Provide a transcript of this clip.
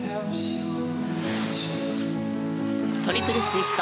トリプルツイスト。